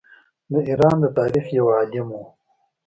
د ایران د تاریخ یو عالم وو.